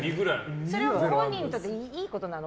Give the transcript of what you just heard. ご本人にとっていいことなの？